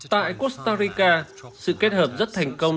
tại costa rica sự kết hợp rất thành công